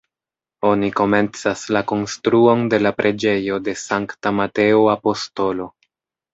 Oni komencas la konstruon de la preĝejo de Sankta Mateo Apostolo.